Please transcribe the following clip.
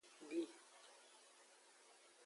Di.